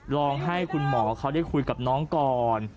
ลองให้คุณหมอเขาได้คุยกับน้องก่อน